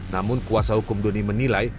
namun kuasa hukum doni menilai